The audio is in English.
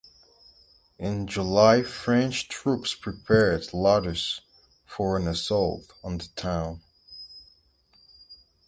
In July French troops prepared ladders for an assault on the town.